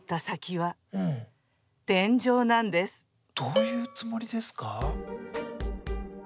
どういうつもりですか？